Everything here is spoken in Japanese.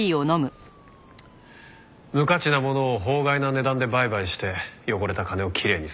無価値なものを法外な値段で売買して汚れた金をきれいにする。